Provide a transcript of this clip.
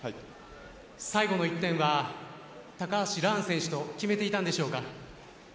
最後の１点は高橋藍選手と決めていたんでしょうか？